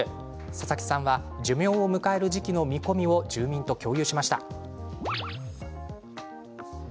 佐々木さんは寿命を迎える時期の見込みを住民と共有しました。